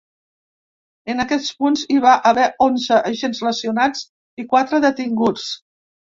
En aquest punt hi va haver onze agents lesionats i quatre detinguts.